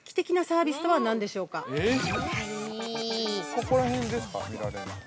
◆ここら辺ですか、見られるのは。